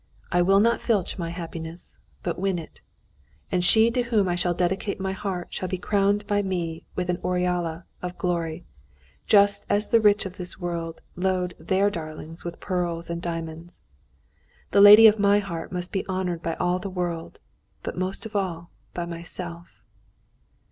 I will not filch my happiness, but win it. And she to whom I shall dedicate my heart shall be crowned by me with an aureola of glory, just as the rich of this world load their darlings with pearls and diamonds. The lady of my heart must be honoured by all the world but most of all by myself."